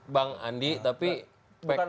bang andi tapi pks itu